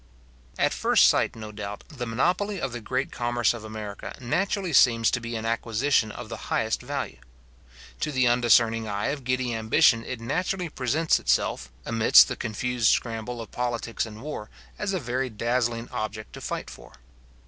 At first sight, no doubt, the monopoly of the great commerce of America naturally seems to be an acquisition of the highest value. To the undiscerning eye of giddy ambition it naturally presents itself, amidst the confused scramble of politics and war, as a very dazzling object to fight for.